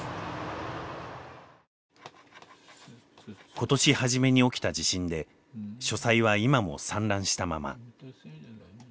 今年初めに起きた地震で書斎は今も散乱したまま。